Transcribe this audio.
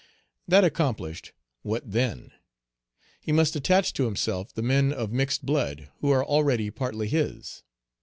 That accomplished, what then? He must attach to himself the men of mixed blood, who are already partly his.